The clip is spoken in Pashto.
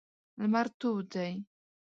لمر تود دی.